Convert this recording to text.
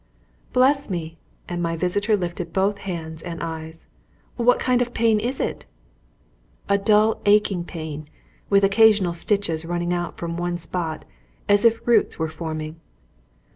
"Bless me!" And my visitor lifted both hands and eyes. "What kind of a pain is it?" "A dull, aching pain, with occasional stitches running out from one spot, as if roots were forming."